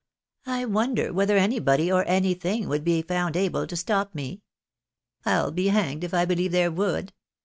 I wonder whether anybody, or anything, would be found able to stop me? I'll be hanged if I believe there would.